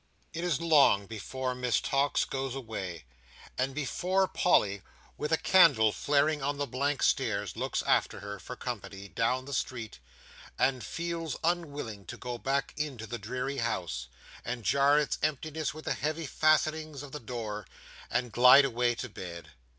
It is long before Miss Tox goes away, and before Polly, with a candle flaring on the blank stairs, looks after her, for company, down the street, and feels unwilling to go back into the dreary house, and jar its emptiness with the heavy fastenings of the door, and glide away to bed.